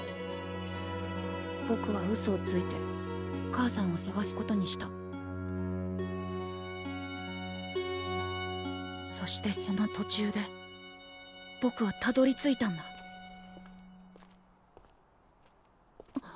ぼくはうそをついて母さんを探すことにしたそしてそのとちゅうでぼくはたどりついたんだあっ。